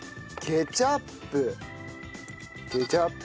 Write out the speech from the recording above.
ケチャップ。